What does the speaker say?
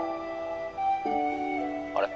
☎あれ？